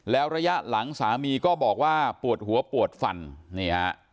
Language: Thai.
แล้วระยะหลังสามีก็บอกว่าปวดหัวปวดฟันนี่ฮะ